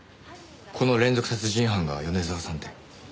この連続殺人犯が米沢さんって。